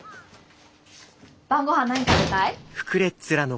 晩ご飯何食べたい？